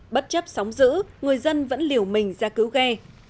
bất chấp sóng giữ người dân vẫn liều mình ra cứu ghe